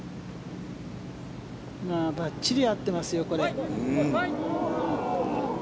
ばっちり合ってますよこれ。